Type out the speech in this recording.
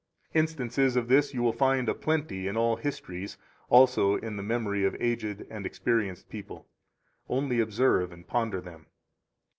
44 Instances of this you will find a plenty in all histories, also in the memory of aged and experienced people. Only observe and ponder them.